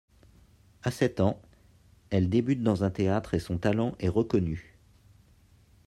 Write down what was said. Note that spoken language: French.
À sept ans, elle débute dans un théâtre et son talent est reconnu.